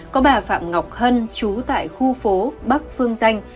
có bà phạm ngọc hân chú tại khu phố bắc phương danh